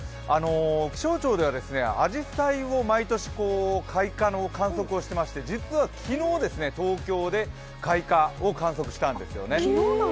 気象庁では、あじさいを毎年開花の観測をしていまして、実は昨日、東京で開花を観測したんですよね。